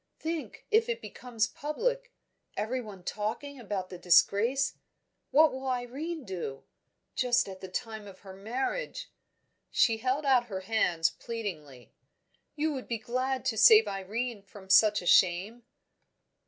Think, if it becomes public everyone talking about the disgrace what will Irene do? Just at the time of her marriage!" She held out her hands, pleadingly. "You would be glad to save Irene from such a shame?"